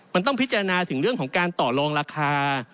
มันต้องพิจารณาถึงเรื่องของการต่อลองราคา